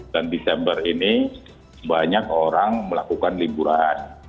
dan desember ini banyak orang melakukan liburan